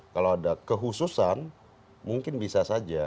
kalau ada kehususan mungkin bisa saja